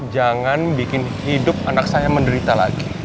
jangan bikin hidup anak saya menderita lagi